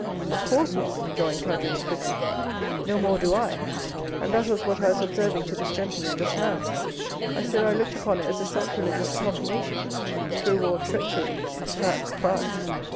"Of course not!" rejoined Caderousse quickly; "no more do I, and that was what I was observing to this gentleman just now. I said I looked upon it as a sacrilegious profanation to reward treachery, perhaps crime."